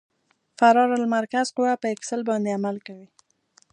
فرار المرکز قوه په اکسل باندې عمل کوي